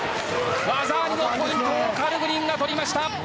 技ありのポイントをカルグニンが取りました！